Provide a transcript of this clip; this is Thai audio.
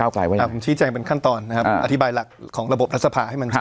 ผมชี้แจงเป็นขั้นตอนนะครับอธิบายหลักของระบบรัฐสภาให้มันครับ